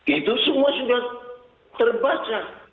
itu semua sudah terbaca